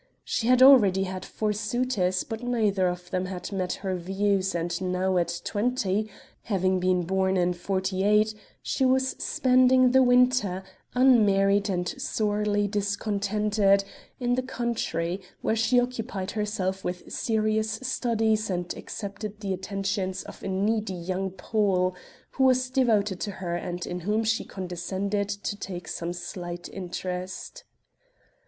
She had already had four suitors but neither of them had met her views and now at twenty having been born in forty eight she was spending the winter, unmarried and sorely discontented, in the country, where she occupied herself with serious studies and accepted the attentions of a needy young Pole who was devoted to her and in whom she condescended to take some slight interest.